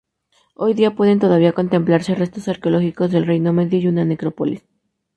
Hoy día pueden todavía contemplarse restos arqueológicos del Reino Medio y una necrópolis.